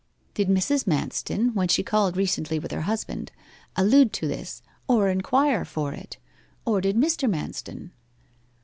'Did Mrs. Manston, when she called recently with her husband, allude to this, or inquire for it, or did Mr. Manston?